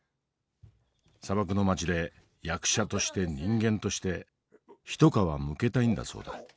砂漠の街で役者として人間として一皮むけたいんだそうだ。